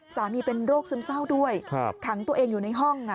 สามีเป็นโรคซึมเศร้าด้วยขังตัวเองอยู่ในห้อง